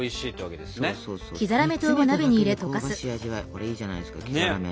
これいいじゃないですか黄ざらめ。